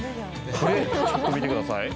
これ、ちょっと見てください！